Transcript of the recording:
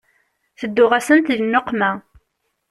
Tedduɣ-asent di nneqma.